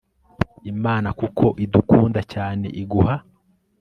imana kuko idukunda cyane, iguha